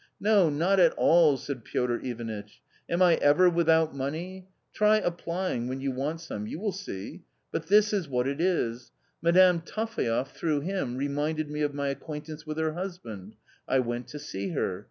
" No, not at all !" said Piotr Ivanitch. " Am I ever with out money ? Try applying, when you want some ; you will see ! But this is what it is ; Madame Taphaev through him reminded me of my acquaintance with her husband. I went to see her.